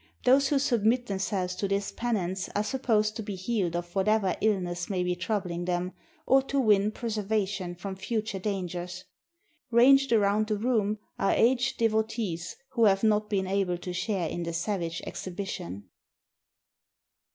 Those who submit themselves to this penance are supposed to be healed of whatever illness may be troubling them, or to win preserva tion from future dangers. Ranged around the room are aged devotees who have not been able to share in the savage exhibition.